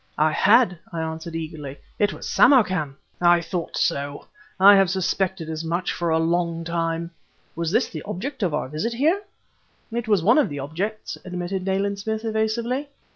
"I had!" I answered eagerly. "It was Samarkan!" "I thought so! I have suspected as much for a long time." "Was this the object of our visit here?" "It was one of the objects," admitted Nayland Smith evasively.